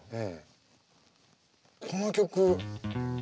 この曲。